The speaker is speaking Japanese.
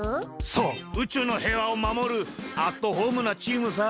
そう宇宙のへいわをまもるアットホームなチームさ。